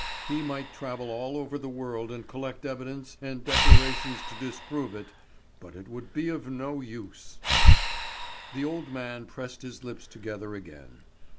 He might travel all over the world and collect evidence and declarations to disprove it, but it would be of no use. The old man pressed his lips together again.